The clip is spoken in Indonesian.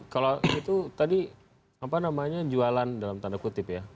kalau itu tadi apa namanya jualan dalam tanda kutip ya